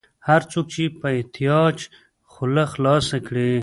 هر څوک چې په احتیاج خوله خلاصه کړي.